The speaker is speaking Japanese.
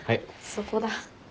そこだ。